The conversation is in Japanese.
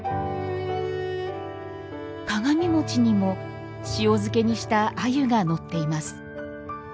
鏡餅にも塩漬けにした鮎がのっています。